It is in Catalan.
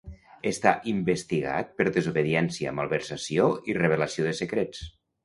Està investigat per desobediència, malversació i revelació de secrets.